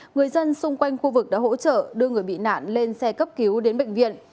người dân xung quanh khu vực đã hỗ trợ đưa người bị nạn lên xe cấp cứu đến bệnh viện